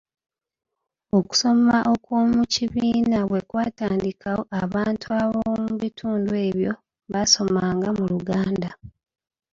Okusoma okw'omu kibiina bwe kwatandikawo abantu ab'omu bitundu ebyo baasomanga mu Luganda.